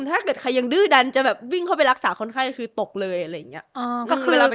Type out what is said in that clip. ถ้าเกิดใครยังดื้อดันจะแบบวิ่งเข้าไปรักษาคนไข้คือตกเลยอะไรอย่างนี้